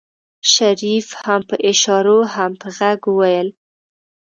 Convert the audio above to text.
شريف هم په اشارو هم په غږ وويل.